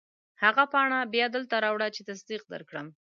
هغه پاڼه بیا دلته راوړه چې تصدیق درکړم.